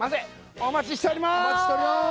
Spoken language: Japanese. お待ちしております！